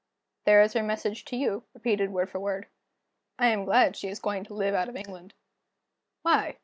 There is her message to you, repeated word for word." "I am glad she is going to live out of England." "Why?